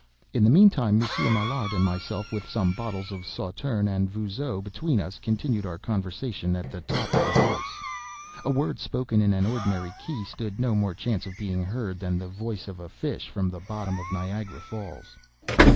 In the meantime, Monsieur Maillard and myself, with some bottles of Sauterne and Vougeot between us, continued our conversation at the top of the voice. A word spoken in an ordinary key stood no more chance of being heard than the voice of a fish from the bottom of Niagara Falls.